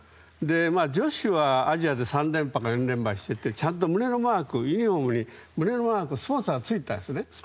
まあ、女子はアジアで３連覇か４連覇していてちゃんと胸のマークユニホームに胸のマークスポンサーがついたのね。